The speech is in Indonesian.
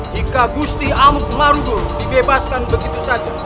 jika gusti amuk marudu dibebaskan begitu saja